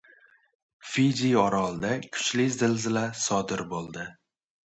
Fidji orolida kuchli zilzila sodir bo‘ldi